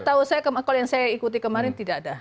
setahu saya kalau yang saya ikuti kemarin tidak ada